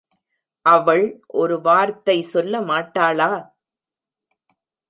அவள் ஒரு வார்த்தை சொல்ல மாட்டாளா?